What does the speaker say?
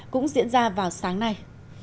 cũng diễn ra vào sáng nay